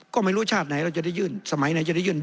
ก็ไม่รู้ชาติไหนเราจะได้ยื่นสมัยไหนจะได้ยื่น